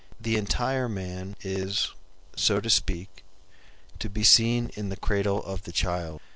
The entire man is, so to speak, to be seen in the cradle of the child.